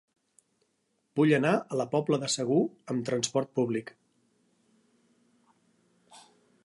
Vull anar a la Pobla de Segur amb trasport públic.